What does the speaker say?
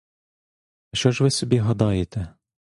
А що ж ви собі гадаєте?